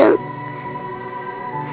mungkin bening gak mau